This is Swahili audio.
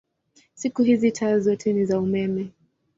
Siku hizi taa zote ni za umeme.